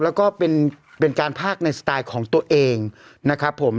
แล้วก็เป็นการพากในสไตล์ของตัวเองนะครับผม